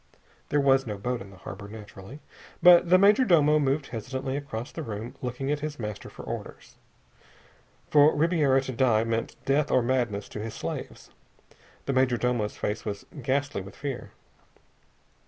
There was no boat in the harbor, naturally. But the major domo moved hesitantly across the room, looking at his master for orders. For Ribiera to die meant death or madness to his slaves. The major domo's face was ghastly with fear.